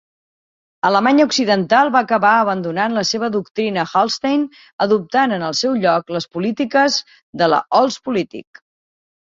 Alemanya Occidental va acabar abandonant la seva doctrina Hallstein, adoptant en el seu lloc les polítiques de la Ostpolitik.